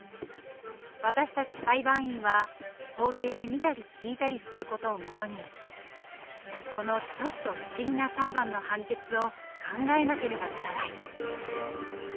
私たち裁判員は法廷で見たり聞いたりする事を基にこのちょっと不思議な裁判の判決を考えなければならない。